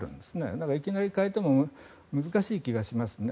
だから、いきなり代えても難しい気がしますね。